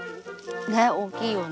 ねえ大きいよね。